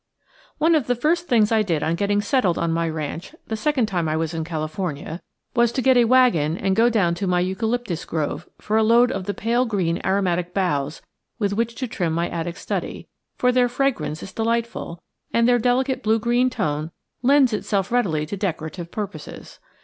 ONE of the first things I did on getting settled on my ranch, the second time I was in California, was to get a wagon and go down to my eucalyptus grove for a load of the pale green aromatic boughs with which to trim my attic study; for their fragrance is delightful and their delicate blue green tone lends itself readily to decorative purposes.